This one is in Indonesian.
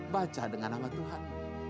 baca dengan nama tuhan